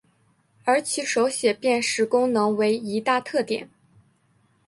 而其手写辨识功能为一大特点。